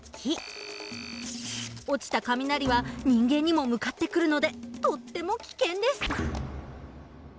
落ちた雷は人間にも向かってくるのでとっても危険です。